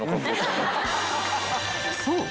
［そう。